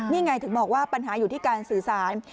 นี่ไงถึงบอกว่าปัญหาอยู่ที่การสื่อสาร